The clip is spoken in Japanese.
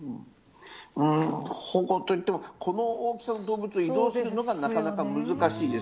保護といってもこの大きさの動物を移動させるのがなかなか難しいです。